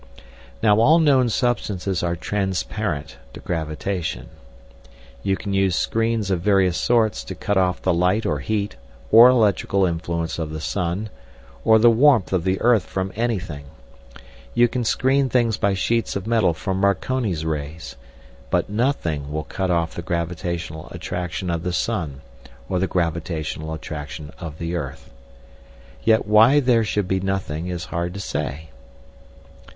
Now all known substances are "transparent" to gravitation. You can use screens of various sorts to cut off the light or heat, or electrical influence of the sun, or the warmth of the earth from anything; you can screen things by sheets of metal from Marconi's rays, but nothing will cut off the gravitational attraction of the sun or the gravitational attraction of the earth. Yet why there should be nothing is hard to say.